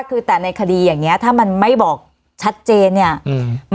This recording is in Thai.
คือแต่ในคดีอย่างเงี้ถ้ามันไม่บอกชัดเจนเนี้ยอืม